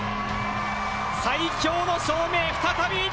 最強の証明再び。